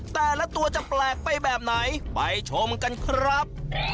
แต่ละตัวจะแปลกไปแบบไหนไปชมกันครับ